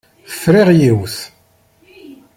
Friɣ yiwet.